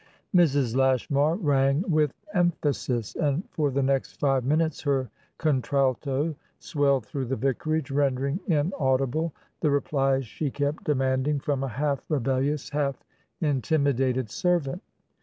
Mrs. Lashmar rang with emphasis, and for the next five minutes her contralto swelled through the vicarage, rendering inaudible the replies she kept demanding from a half rebellious, half intimidated servant.